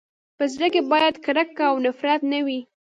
په زړه کي باید کرکه او نفرت نه وي.